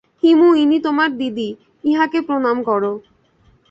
হিমু, ইনি তোমার দিদি, ইঁহাকে প্রণাম করো।